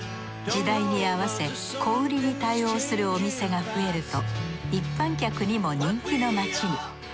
時代に合わせ小売りに対応するお店が増えると一般客にも人気の街に。